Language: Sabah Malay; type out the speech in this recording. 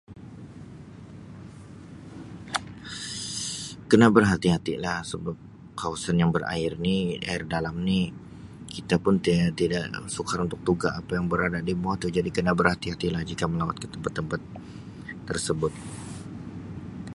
Kena berhati-hati lah sebab kawasan yang berair ni air dalam ni kita pun ti-tiada anu sukar untuk duga apa yang berada dibawah tu jadi kena berhati-hatilah jika melawat ke tempat-tempat tersebut.